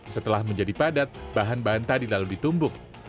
setelah menjadi padat bahan bahan tadi lalu ditumbuk